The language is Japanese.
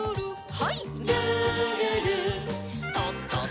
はい。